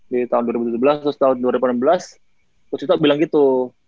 di tahun dua ribu tujuh belas terus tahun dua ribu enam belas bu sita bilang gitu